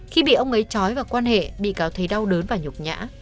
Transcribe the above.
khi bị ông ấy trói vào quan hệ bị cáo thấy đau đớn và nhục nhã